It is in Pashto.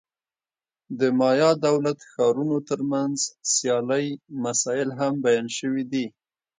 د مایا دولت-ښارونو ترمنځ سیالۍ مسایل هم بیان شوي دي.